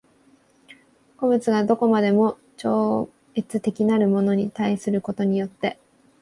個物が何処までも超越的なるものに対することによって